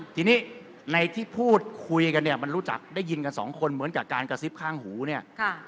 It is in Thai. ทีนี้ในที่พูดคุยกันเนี่ยมันรู้จักได้ยินกันสองคนเหมือนกับการกระซิบข้างหูเนี่ย